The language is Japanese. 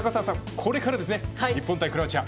これからですね日本対クロアチア。